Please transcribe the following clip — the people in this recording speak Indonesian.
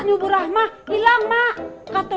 keelomanya gak bisa ketahuan tau